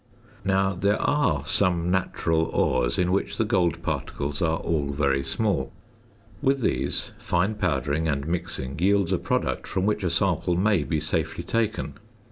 Now, there are some natural ores in which the gold particles are all very small; with these fine powdering and mixing yields a product from which a sample may be safely taken.